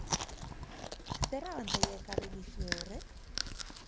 Zer abantaila ekarri dizue horrek?